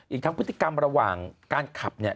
อีกทั้งพฤติกรรมระหว่างการขับเนี่ย